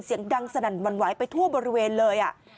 เสียงดังสนั่นหวั่นไหวไปทั่วบริเวณเลย